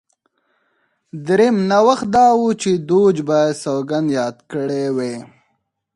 درېیم نوښت دا و چې دوج باید سوګند یاد کړی وای